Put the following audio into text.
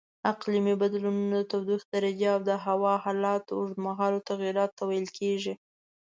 اقلیمي بدلونونه د تودوخې درجې او د هوا حالاتو اوږدمهالو تغییراتو ته ویل کېږي.